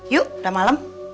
yuk udah malem